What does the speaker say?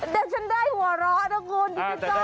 เด็กฉันได้หัวเราะทุกคนดีจริงจ๊อบ